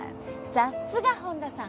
さすが本多さん。